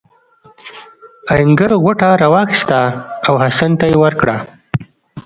آهنګر غوټه راواخیسته او حسن ته یې ورکړه.